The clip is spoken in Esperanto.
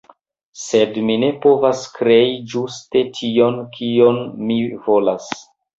sed mi ne povas krei ĝuste tion, kion mi volas.